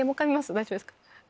大丈夫ですか？